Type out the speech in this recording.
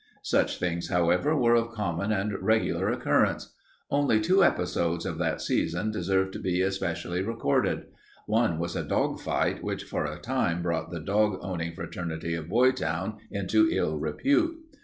Such things, however, were of common and regular occurrence. Only two episodes of that season deserve to be specially recorded. One was a dog fight which for a time brought the dog owning fraternity of Boytown into ill repute.